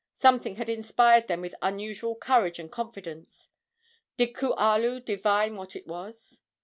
Something had inspired them with unusual courage and confidence. Did Kualu divine what it was?